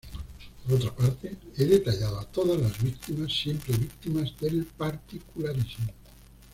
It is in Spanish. Por otra parte, he detallado a todas la víctimas, siempre víctimas, del particularismo.